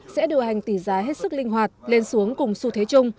sẽ điều hành tỷ giá hết sức linh hoạt lên xuống cùng xu thế chung